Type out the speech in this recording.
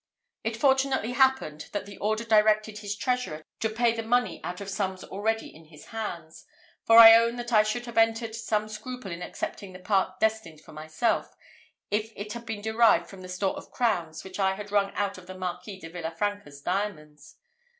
It fortunately happened, that the order directed his treasurer to pay the money out of sums already in his hands; for I own that I should have entertained some scruple in accepting the part destined for myself, if it had been derived from the store of crowns which I had wrung out of the Marquis de Villa Franca's diamonds.